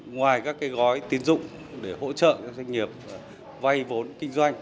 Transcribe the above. ngoài các gói tiến dụng để hỗ trợ các doanh nghiệp vay vốn kinh doanh